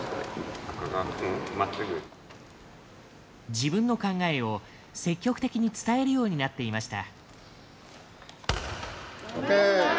自分の考えを、積極的に伝えるようになっていました。